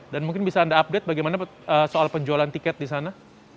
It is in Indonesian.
dan mungkin bisa anda update bagaimana soal penjualan tiket di sana